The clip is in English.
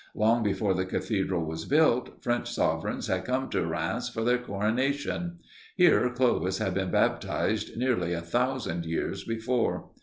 Long before the cathedral was built, French sovereigns had come to Rheims for their coronation. Here Clovis had been baptized nearly a thousand years before.